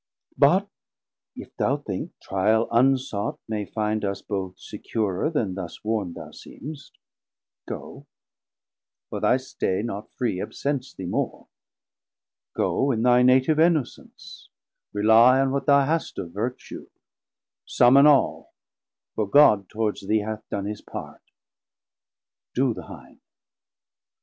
But if thou think, trial unsought may finde 370 Us both securer then thus warnd thou seemst, Go; for thy stay, not free, absents thee more; Go in thy native innocence, relie On what thou hast of vertue, summon all, For God towards thee hath done his part, do thine.